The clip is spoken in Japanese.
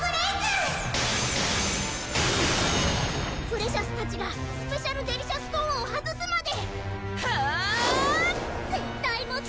プレシャスたちがスペシャルデリシャストーンを外すまでハァーッ！